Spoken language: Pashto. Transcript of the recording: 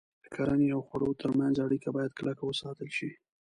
د کرنې او خوړو تر منځ اړیکه باید کلکه وساتل شي.